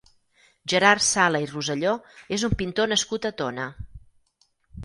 Gerard Sala i Roselló és un pintor nascut a Tona.